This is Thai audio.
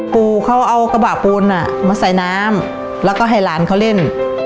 ปู่เขาเอากระบะปูนมาใส่น้ำแล้วก็ให้หลานเขาเล่น